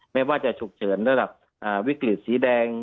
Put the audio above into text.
ไม่ว่าจะฉุกเฉินระดับวิกฤตสีแดง